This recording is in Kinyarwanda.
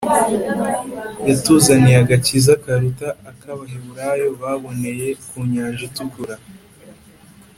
yatuzaniye agakiza karuta ak’abaheburayo baboneye ku nyanja itukura.